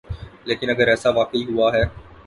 لیکن اگر ایسا واقعی ہوا ہے۔